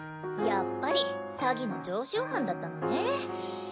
やっぱり詐欺の常習犯だったのね。